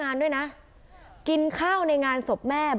ทราบแล้วว่าเข้ามางานศพแม่ทุกวัน